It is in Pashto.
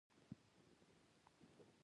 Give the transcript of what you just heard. دا د اتباعو محرومولو لپاره دلیل نشته.